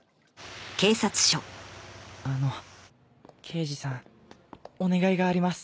あの刑事さんお願いがあります。